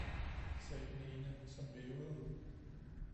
sagde den ene, som vævede!